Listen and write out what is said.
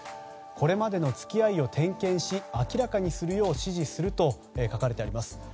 これまでの付き合いを点検し明らかにするよう指示すると書かれてあります。